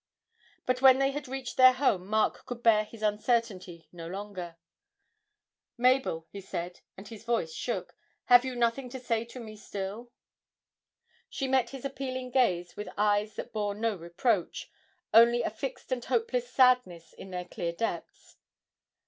But when they had reached their home Mark could bear his uncertainty no longer. 'Mabel,' he said, and his voice shook, 'have you nothing to say to me, still?' She met his appealing gaze with eyes that bore no reproach, only a fixed and hopeless sadness in their clear depths.